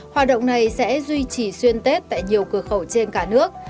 hoạt động này sẽ duy trì xuyên tết tại nhiều cửa khẩu trên cả nước